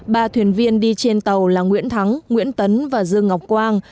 ba thuyền viên đi trên tàu là nguyễn thắng nguyễn tấn và dương ngọc quang